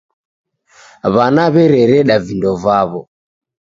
W'ana w'erereda vindo vaw'o.